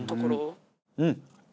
うん！